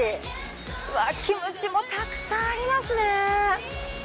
うわぁキムチもたくさんありますね。